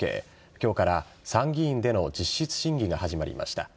今日から参議院での実質審議が始まりました。